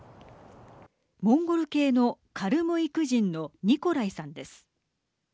モンゴル系のカルムイク人のニコライさんです。